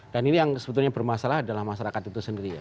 dan ini yang sebetulnya bermasalah adalah masyarakat itu sendiri ya